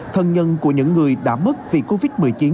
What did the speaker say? thân nhân của những người đã mất vì covid một mươi chín